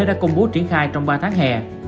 đã công bố triển khai trong ba tháng hè